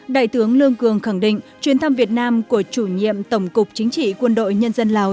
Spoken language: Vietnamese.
đại tướng lương cường khẳng định chuyên thăm việt nam của chủ nhiệm tổng cục chính trị quân đội nhân dân lào